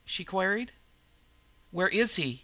she queried. "Where is he?"